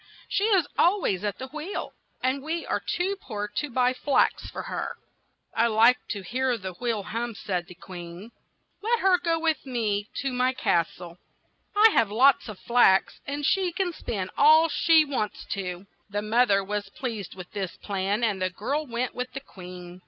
She is al ways at the wheel, and we are too poor to buy flax for her." "I like to hear the wheel hum," said the queen. "Let her go with me to my cas tle ; I have lots of flax, and she can spin all she wants to." The moth er was pleased with this plan, and the girl went with the queen.